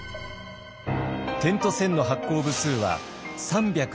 「点と線」の発行部数は３２２万部。